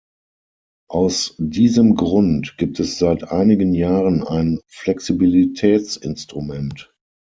Aus diesem Grund gibt es seit einigen Jahren ein "Flexibilitätsinstrument".